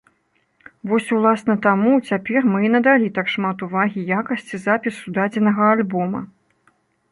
Вось, уласна, таму цяпер мы і надалі так шмат увагі якасці запісу дадзенага альбома.